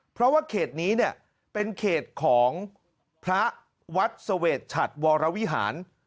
เพราะว่าเขตนี้เนี่ยเป็นเขตของพระวัดเสวชชัดวรวิหาร